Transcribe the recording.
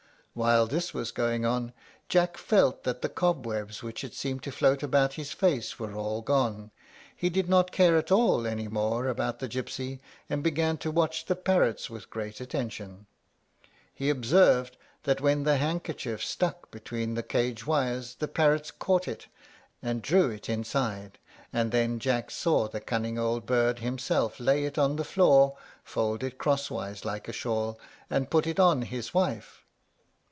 While this was going on, Jack felt that the cobwebs which had seemed to float about his face were all gone; he did not care at all any more about the gypsy, and began to watch the parrots with great attention. He observed that when the handkerchief stuck between the cage wires, the parrots caught it, and drew it inside; and then Jack saw the cunning old bird himself lay it on the floor, fold it crosswise like a shawl, and put it on his wife.